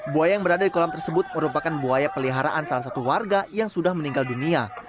buaya yang berada di kolam tersebut merupakan buaya peliharaan salah satu warga yang sudah meninggal dunia